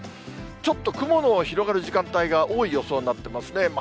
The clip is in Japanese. ちょっと雲の広がる時間帯が多い予想になってますね。